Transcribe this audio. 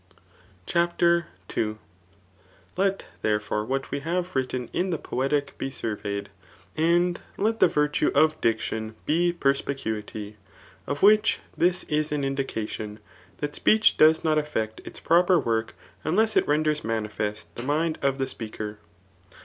GHABi lU mniTORKS tOfT CHAPTER n. Let, therefore^ what we have written in the Poetic be suarreyed ; and let the virtue of diction be perspi* cnity ; of which this is an indication, that speech does not efiectits proper work unless it renders manifest [the mind of the speaker.